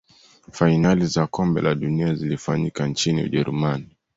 fainali za kombe la dunia zilifanyika nchini ujerumani